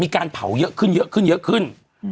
การเผาเยอะขึ้น